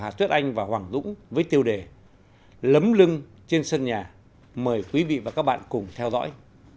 hà tuyết anh và hoàng dũng với tiêu đề lấm lưng trên sân nhà mời quý vị và các bạn cùng theo dõi